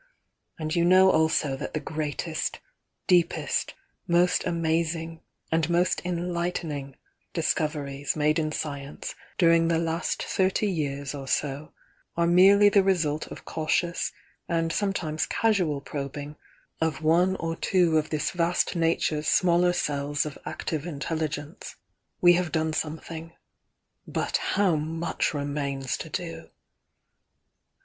And you know also that the greatest, deepest, most amazing, and most enlighten ing discoveries made in science during the last thirty years or so are merely the result of cautious and sometimes casual probing of one or two of this vast Nature's smaller cells of active intelligence. We have done something, — but how much remains to do!"